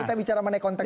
kita bicara mana konteks